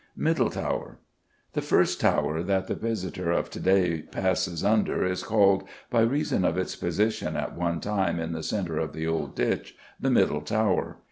Middle Tower. The first "Tower" that the visitor of to day passes under is called, by reason of its position at one time in the centre of the old ditch, the Middle Tower.